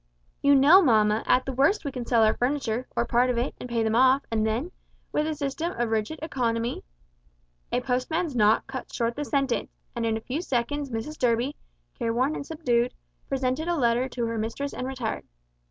"You know, mamma, at the worst we can sell our furniture or part of it and pay them off, and then, with a system of rigid economy " A postman's knock cut short the sentence, and in a few seconds Mrs Durby careworn and subdued presented a letter to her mistress and retired.